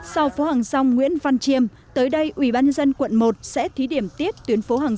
sau phố hàng rong nguyễn văn chiêm tới đây ủy ban dân quận một sẽ thí điểm tiếp tuyến phố hàng